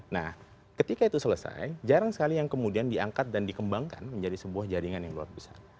nah ketika itu selesai jarang sekali yang kemudian diangkat dan dikembangkan menjadi sebuah jaringan yang luar biasa